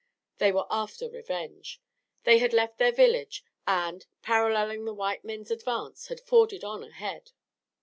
They were after their revenge. They had left their village and, paralleling the white men's advance, had forded on ahead.